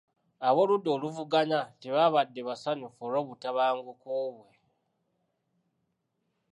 Abooludda olumuvuganya tebaabadde basanyufu olw'obutabanguko bwe.